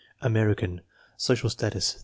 American, social status 3.